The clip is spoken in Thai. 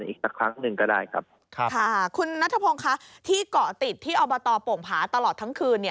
ที่เกาะติดที่ออมประตอร์โภกงานตลอดทั้งคืน